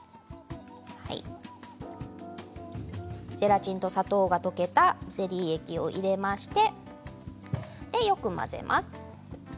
ゼラチンと砂糖が溶けたゼリー液を入れましてよく混ぜます。